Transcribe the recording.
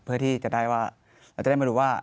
เพื่อที่จะได้ว่าเราจะได้มารู้ว่า